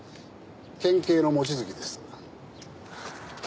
県警の望月です。